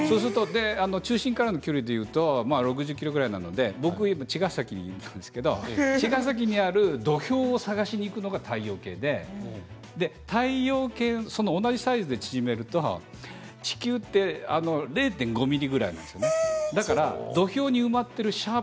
中心からの距離で言うと６０ｋｍぐらいなので僕は茅ヶ崎なんですけど茅ヶ崎にある土俵を探しに行くのが太陽系で同じサイズで縮めると地球って０．５ｍｍぐらいなんです。